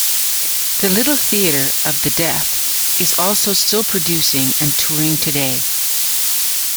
The Little Theatre of the Deaf is also still producing and touring today.